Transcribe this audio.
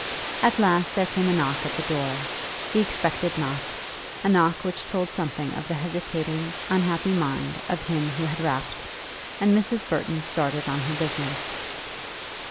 At last there came the knock at the door, the expected knock, a knock which told something of the hesitating unhappy mind of him who had rapped, and Mrs. Burton started on her business.